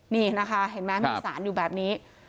นี่นะคะเห็นไหมมีสารอยู่แบบนี้